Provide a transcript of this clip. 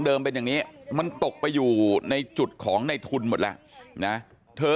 เป็นอย่างนี้มันตกไปอยู่ในจุดของในทุนหมดแล้วนะเธอ